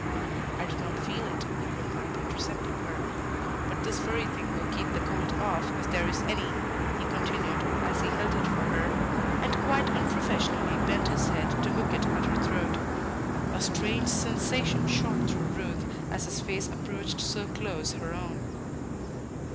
"I did not feel it," he replied, intercepting her. "But this furry thing will keep the cold off, if there is any," he continued, as he held it for her, and quite unprofessionally bent his head to hook it at her throat. A strange sensation shot through Ruth as his face approached so close her own.